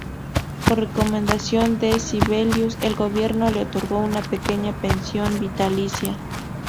Por recomendación de Sibelius, el gobierno le otorgó una pequeña pensión vitalicia.